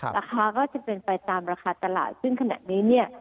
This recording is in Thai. ราคาก็จะเป็นไปตามราคาตลาดซึ่งขณะนี้เนี่ย